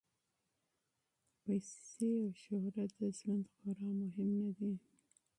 پیسې او شهرت د ژوند خورا مهم نه دي.